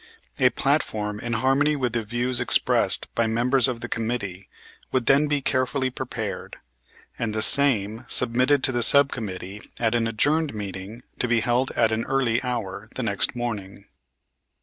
A platform in harmony with the views expressed by members of the committee would then be carefully prepared, and the same submitted to the sub committee at an adjourned meeting to be held at an early hour the next morning.